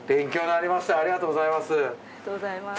ありがとうございます。